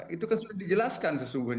itu kan sudah dijelaskan sesungguhnya